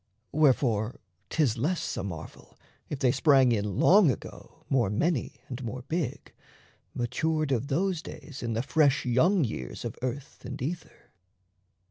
Wherefore 'tis less a marvel, if they sprang In Long Ago more many, and more big, Matured of those days in the fresh young years Of earth and ether.